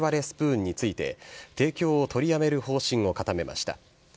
スプーンについて、提供を取りやめる方針を固めました。